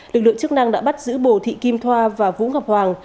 lực lượng chức năng đã bắt giữ bồ thị kim thoa và vũ ngọc hoàng